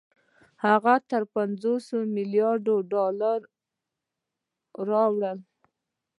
هغه تر پنځوس مليارده ډالرو اوړي